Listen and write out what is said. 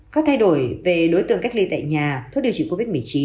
có thay đổi về đối tượng cách ly tại nhà thuốc điều trị covid một mươi chín